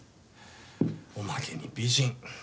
おまけに美人。